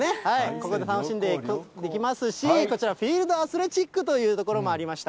ここで楽しんでできますし、こちら、フィールドアスレチックという所もありました。